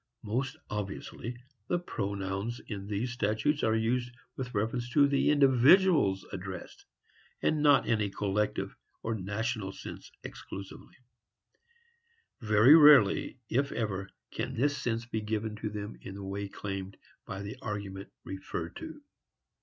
Most obviously, the pronouns in these statutes are used with reference to the individuals addressed, and not in a collective or national sense exclusively; very rarely, if ever, can this sense be given to them in the way claimed by the argument referred to.